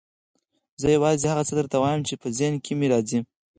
زه یوازې هغه څه درته وایم چې په ذهن کې مې راځي.